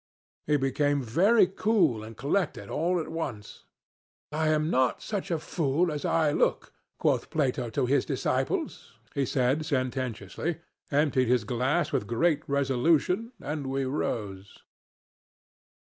He became very cool and collected all at once. 'I am not such a fool as I look, quoth Plato to his disciples,' he said sententiously, emptied his glass with great resolution, and we rose.